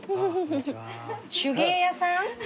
手芸屋さん？